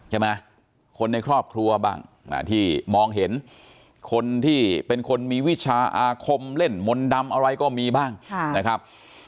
ใช่ไหมคนในครอบครัวบ้างที่มองเห็นคนที่เป็นคนมีวิชาอาคมเล่นมนต์ดำอะไรก็มีบ้างนะครับ